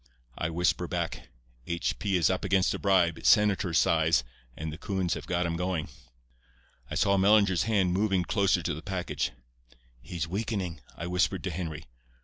I whisper back: 'H. P. is up against a bribe, senator's size, and the coons have got him going.' I saw Mellinger's hand moving closer to the package. 'He's weakening,' I whispered to Henry.